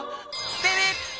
ビビッ！